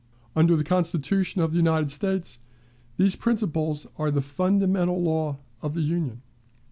"Under the Constitution of the United States, these principles are the fundamental law of the Union.